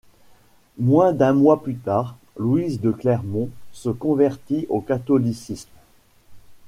Moins d'un mois plus tard, Louise de Clermont se convertit au catholicisme.